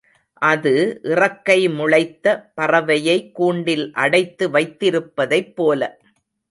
அது, இறக்கை முளைத்த பறவையை கூண்டில் அடைத்து வைத்திருப்பதைப்போல.